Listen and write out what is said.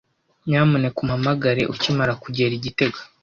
Nyamuneka umpamagare ukimara kugera i gitega.